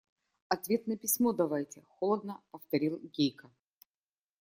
– Ответ на письмо давайте, – холодно повторил Гейка.